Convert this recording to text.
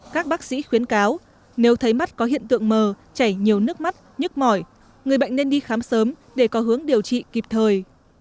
các bác sĩ khuyến cáo nếu thấy mắt có hiện tượng mờ chảy nhiều nước mắt nhức mỏi người bệnh nên đi khám sớm để có hướng điều trị kịp thời